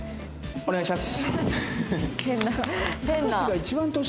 お願いします。